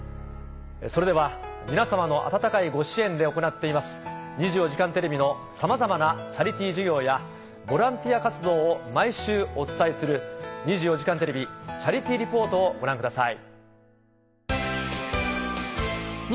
それでは皆さまの温かいご支援で行っています『２４時間テレビ』のさまざまなチャリティー事業やボランティア活動を毎週お伝えする。をご覧ください。